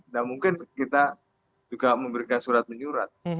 nah mungkin kita juga memberikan surat menyurat